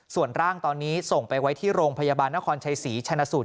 ส่วนร่างตอนนี้ส่งไปไว้ที่โรงพยาบาลนครชัยศรีชนะสูตร